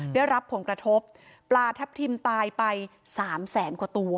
ได้รับผลกระทบปลาทับทิมตายไปสามแสนกว่าตัว